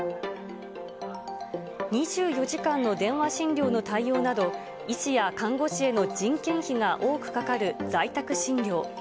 ２４時間の電話診療の対応など、医師や看護師への人件費が多くかかる在宅診療。